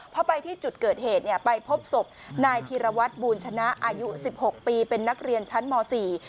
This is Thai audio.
พอไปที่จุดเกิดเหตุเนี่ยไปพบศพนายธีรวัตรบูรณชนะอายุสิบหกปีเป็นนักเรียนชั้นมสี่